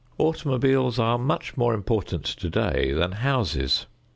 Automobiles are much more important today than houses.